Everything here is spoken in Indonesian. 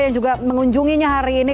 yang juga mengunjunginya hari ini